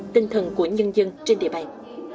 tinh thần của nhân dân trên địa bàn